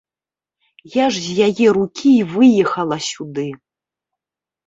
Я ж з яе рукі і выехала сюды.